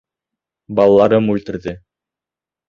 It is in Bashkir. Балаларым үлтерҙе...